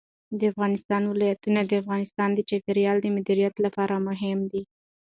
د افغانستان ولايتونه د افغانستان د چاپیریال د مدیریت لپاره مهم دي.